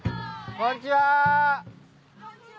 こんちは！